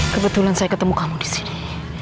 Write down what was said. kebetulan saya ketemu kamu disini